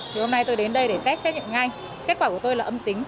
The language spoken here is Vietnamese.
thì hôm nay tôi đến đây để test xét nghiệm nhanh kết quả của tôi là âm tính